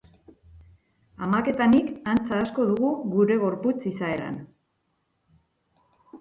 Amak eta nik antza asko dugu gure gorputz izaeran.